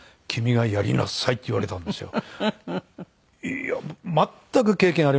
いや全く経験ありませんから。